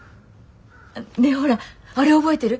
ねぇほらあれ覚えてる？